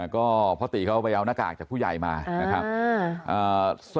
ก็เพราะตีซ์เขาไปเอานาคากของผู้ใหญ่มานะคับ